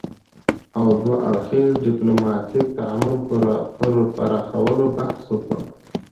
او دوه اړخیز ديپلوماتيک تعامل پر پراخولو بحث وکړ